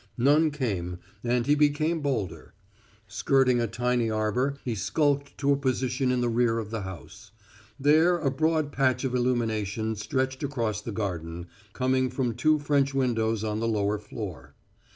None came, and he became bolder. Skirting a tiny arbor, he skulked to a position in the rear of the house; there a broad patch of illumination stretched across the garden, coming from two French windows on the lower floor.